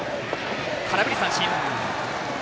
空振り三振。